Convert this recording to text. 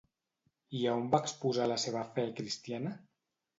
I a on va exposar la seva fe cristiana?